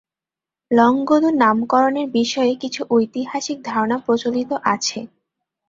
লংগদু নামকরণের বিষয়ে কিছু ঐতিহাসিক ধারণা প্রচলিত আছে।